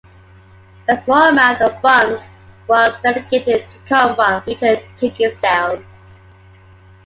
A small amount of the funds was delegated to come from future ticket sales.